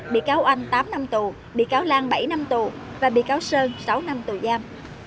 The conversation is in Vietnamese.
bị cáo anh tám năm tù bị cáo lan bảy năm tù và bị cáo sơn sáu năm tù giam